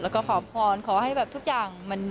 และผมขอบภญาขอให้แบบทุกอย่างมันดีค่ะ